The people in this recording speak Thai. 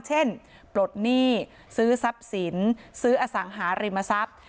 ปลดหนี้ซื้อทรัพย์สินซื้ออสังหาริมทรัพย์